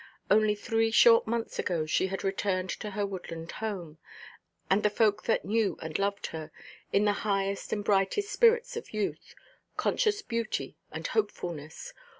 Only three short months ago she had returned to her woodland home, and the folk that knew and loved her, in the highest and brightest spirits of youth, conscious beauty, and hopefulness.